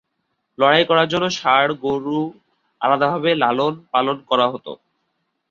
লড়াই করার জন্য ষাঁড় গরু আলাদাভাবে লালন পালন করা হতো।